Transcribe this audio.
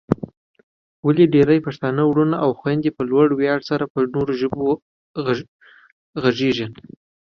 ولې ډېرای پښتانه وروڼه او خويندې په لوړ ویاړ سره په نورو ژبو غږېږي؟